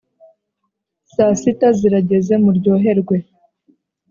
Saasita zirageze muryoherwe